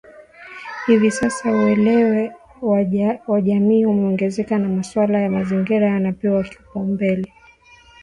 Hivi sasa uelewa wa jamii umeongezeka na masuala ya mazingira yanapewa kipaumbele